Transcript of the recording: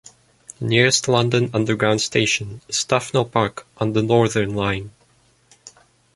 The nearest London Underground station is Tufnell Park on the Northern line.